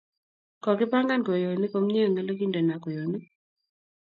Kogipangan kwenyonik komnyei eng ole kindenoi kwenyonik